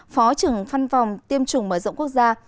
phó trưởng phân phòng tiêm chủng mở rộng quốc gia